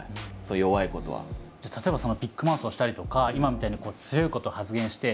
例えばビッグマウスをしたりとか今みたいに強いことを発言して。